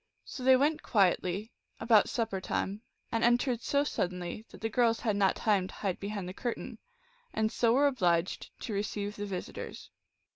So they went quietly, about supper time, and entered so suddenly that the girls had not time to hide behind the curtain, and so were obliged to receive the visit ors.